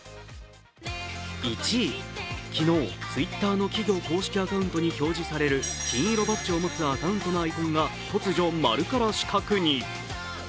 １位、昨日、Ｔｗｉｔｔｅｒの企業公式アカウントに表示される金色バッジを持つアカウントのアイコンが突如丸から四角に。